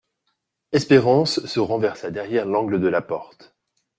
Espérance se renversa derrière l'angle de la porte.